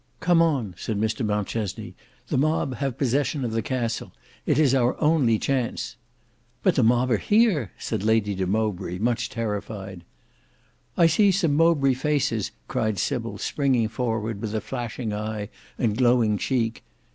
"Come on," said Mr Mountchesney. "The mob have possession of the castle. It is our only chance." "But the mob are here," said Lady de Mowbray much terrified. "I see some Mowbray faces," cried Sybil springing forward, with a flashing eye and glowing cheek.